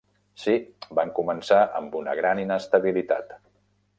Sí, van començar amb una gran inestabilitat.